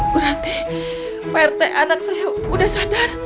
bu nanti pak rt anak saya sudah sadar